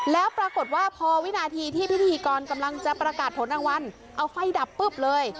แล้วปรากฏว่าพอวินาทีที่พิธีกรกำลังจะประกาศผลรางวัลเอาไฟดับปุ๊บเลย